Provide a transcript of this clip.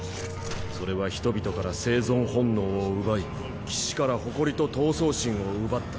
それは人々から生存本能を奪い騎士から誇りと闘争心を奪った。